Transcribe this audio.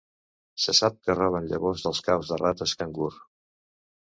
Se sap que roben llavors dels caus de rates cangur.